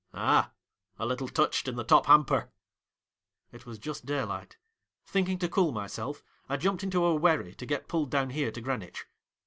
' Ah ! a little touched in the top hamper.' ' It was just daylight. Thinking to cool myself, I jumped into a wherry to get pulled down here to Greenwich.'